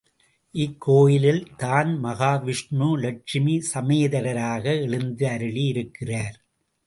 இக்கோயிலில் தான் மகாவிஷ்ணு லட்சுமி சமேதராக எழுந்தருளியிருக்கிறார்.